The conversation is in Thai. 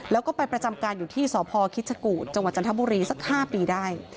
แล้วก็ไปประจำการอยู่ที่สพคิชกูธจังหวัดจันทบุรีสัก๕ปีได้